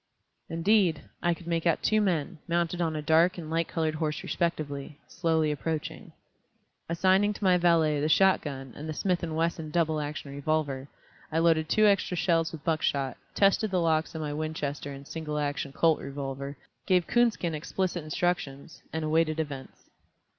Indeed, I could make out two men, mounted on a dark and a light colored horse respectively, slowly approaching. Assigning to my valet the shot gun and the Smith & Wesson double action revolver, I loaded two extra shells with buckshot, tested the locks of my Winchester and single action Colt revolver, gave Coonskin explicit instructions, and awaited events.